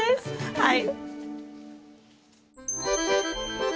はい。